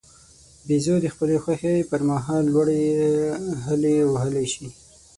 بیزو د خوښۍ پر مهال لوړې هلې وهلای شي.